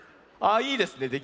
ああいいですね。